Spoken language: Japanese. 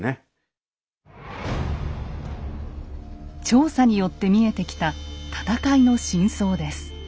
調査によって見えてきた戦いの真相です。